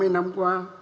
năm mươi năm qua